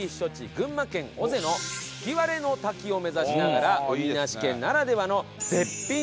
群馬県尾瀬の吹割の滝を目指しながら海なし県ならではの絶品寿司を探しました。